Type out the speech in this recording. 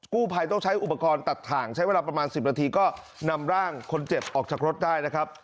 กู้ภัยต้องใช้อุปกรณ์ตัดถ่างใช้เวลาประมาณ๑๐นาทีก็นำร่างคนเจ็บออกจากรถได้นะครับ